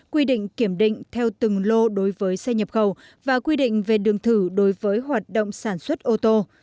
quy định kiểm định theo từng lô đối với xe nhập khẩu và quy định về đường thử đối với hoạt động sản xuất ô tô